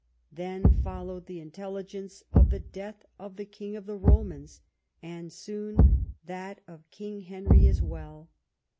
Then followed the intelligence of the death of the King of the Romans, and soon that of King Henry as well.